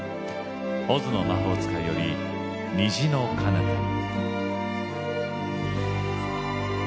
「オズの魔法使い」より「虹の彼方に」。